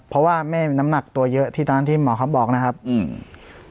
เพราะว่าแม่มีน้ำหนักตัวเยอะที่ตอนนั้นที่หมอเขาบอกนะครับอืม